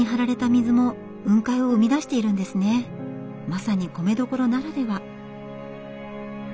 まさに米どころならでは。